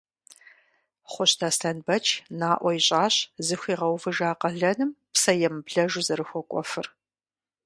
Хъущт Аслъэнбэч наӏуэ ищӏащ зыхуигъэувыжа къалэным псэемыблэжу зэрыхуэкӏуэфыр.